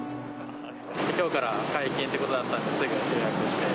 きょうから解禁ということだったんで、すぐ予約して。